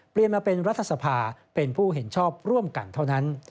เปลี่ยนมาเป็นรัฐสภาเป็นผู้เห็นชอบร่วมกันเท่านั้น